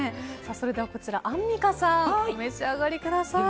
それではこちらアンミカさんお召し上がりください。